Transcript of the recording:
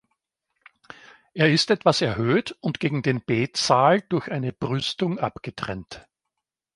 Er ist etwas erhöht und gegen den Betsaal durch eine Brüstung abgetrennt.